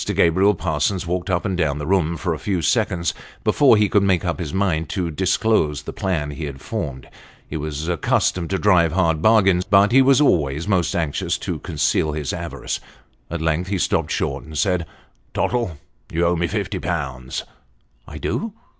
Gabriel Parsons walked up and down the room for a few seconds, before he could make up his mind to disclose the plan he had formed; he was accustomed to drive hard bargains, but was always most anxious to conceal his avarice. At length he stopped short, and said " Tottle, you owe me fifty pounds." I do."